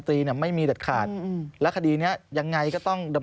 รู้ผ่านเพจเหมือนกันค่ะ